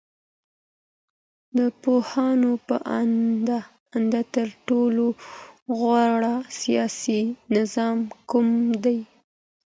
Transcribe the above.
د پوهانو په اند تر ټولو غوره سياسي نظام کوم دی؟